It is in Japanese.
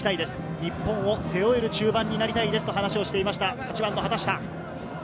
日本を背負える中盤になりたいですと話していました、畑下。